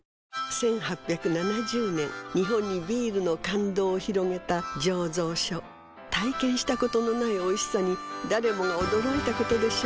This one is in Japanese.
１８７０年日本にビールの感動を広げた醸造所体験したことのないおいしさに誰もが驚いたことでしょう